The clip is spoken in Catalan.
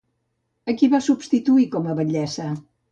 A qui va substituir com a batllessa?